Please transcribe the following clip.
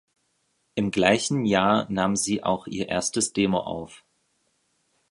Im gleichen Jahr nahm sie auch ihr erstes Demo auf.